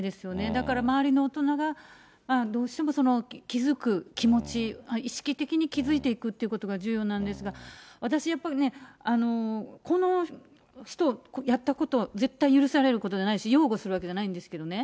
だから周りの大人が、どうしても気付く気持ち、意識的に気付いていくってことが重要なんですが、私やっぱりね、この人、やったこと、絶対許されることじゃないし、擁護するわけじゃないんですけどね。